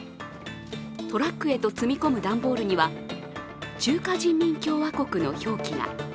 トラックへと積み込む段ボールには中華人民共和国の表記が。